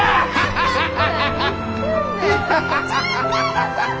ハハハハ！